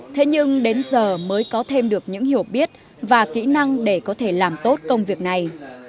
thế nhưng đến giờ mới có thêm được những hiểu biết và kỹ năng để có thể làm tốt công việc này